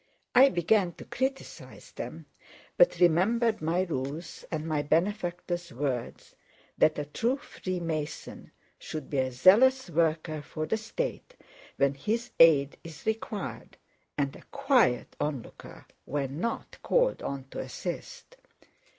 I began to criticize them, but remembered my rules and my benefactor's words—that a true Freemason should be a zealous worker for the state when his aid is required and a quiet onlooker when not called on to assist.